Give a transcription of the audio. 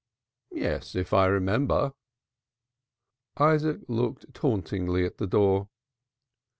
"Yes, if I remember." Isaac looked tauntingly at the door.